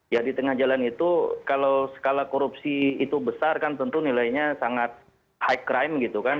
ya di tengah jalan itu kalau skala korupsi itu besar kan tentu nilainya sangat high crime gitu kan